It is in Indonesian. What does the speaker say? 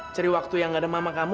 cari waktu yang nggak ada mamah kamu